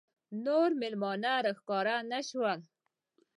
نور مېلمانه راښکاره نه شول.